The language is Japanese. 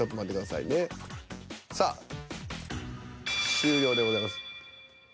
終了でございます。